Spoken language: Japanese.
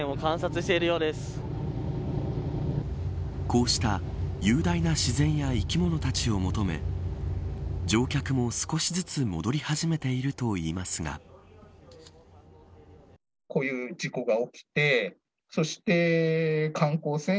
こうした雄大な自然や生き物たちを求め乗客も少しずつ戻り始めているといいますが。